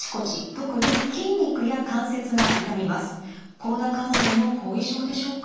コロナ感染の後遺症でしょうか？